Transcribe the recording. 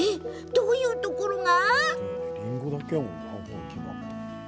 どういうところが？